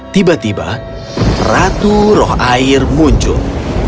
tiba tiba raja rambut memperbaiki perang ini dan memperbaiki perang ini dengan kebenaran dalam hidupnya